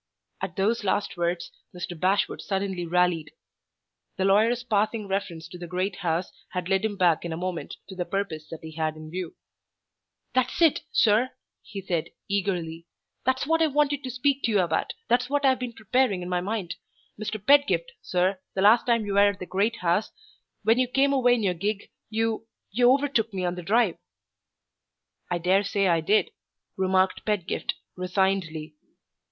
At those last words, Mr. Bashwood suddenly rallied. The lawyer's passing reference to the great house had led him back in a moment to the purpose that he had in view. "That's it, sir!" he said, eagerly; "that's what I wanted to speak to you about; that's what I've been preparing in my mind. Mr. Pedgift, sir, the last time you were at the great house, when you came away in your gig, you you overtook me on the drive." "I dare say I did," remarked Pedgift, resignedly.